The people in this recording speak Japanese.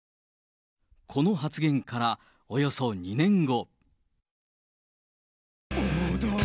この発言からおよそ２年後。